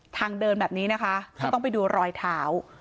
ทางเดินแบบนี้นะคะก็ต้องไปดูรอยเท้า